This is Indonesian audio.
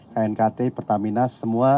knkt pertaminas semua